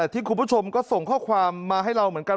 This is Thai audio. ที่คุณผู้ชมก็ส่งข้อความมาให้เราเหมือนกัน